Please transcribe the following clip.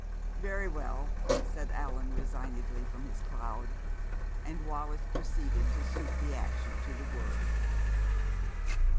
"Very well," said Allan resignedly from his cloud. And Wallis proceeded to suit the action to the word.